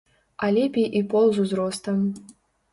А лепей і пол з узростам.